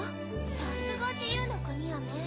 さすが自由の国やね。